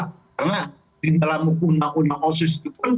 karena di dalam undang undang mausis itu pun